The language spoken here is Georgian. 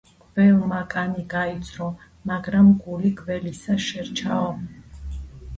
გველმა კანი გაიძრო, მაგრამ გული გველისა შერჩაო